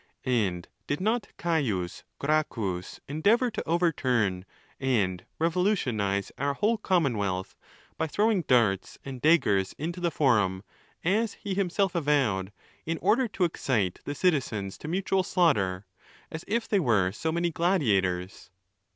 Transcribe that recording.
And did not C. Gracchus endeavour to overturn and revolutionize our whole commonwealth, by throwing darts and daggers into the forum, as he himself avowed, in order to excite the citi zens 'to mutual slaughter, as if they were so many gladiators